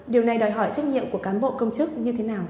điều này đòi hỏi trách nhiệm của cán bộ công chức như thế nào